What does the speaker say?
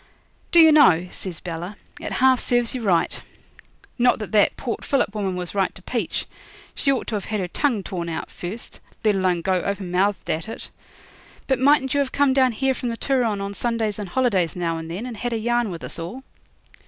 'Do you know,' says Bella, 'it half serves you right. Not that that Port Phillip woman was right to peach. She ought to have had her tongue torn out first, let alone go open mouthed at it. But mightn't you have come down here from the Turon on Sundays and holidays now and then, and had a yarn with us all?'